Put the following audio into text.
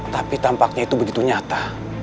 tapi tampaknya itu begitu nyata